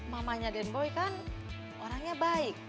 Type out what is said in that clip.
mamanya gen boy kan orangnya baik